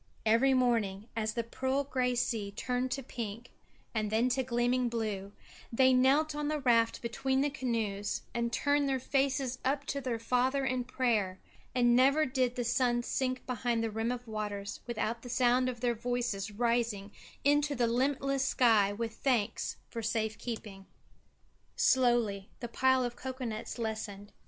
Every morning, as the pearl grey sea turned to pink and then to gleaming blue, they knelt on the raft between the canoes and turned their faces up to their Father in prayer, and never did the sun sink behind the rim of waters without the sound of their voices rising into the limitless sky with thanks for safe keeping. Slowly the pile of cocoa nuts lessened.